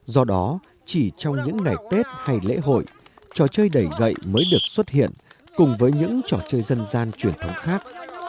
do đó chỉ trong những ngày tết hay lễ hội trò chơi đẩy gậy mới được xuất hiện cùng với những trò chơi dân gian truyền thống khác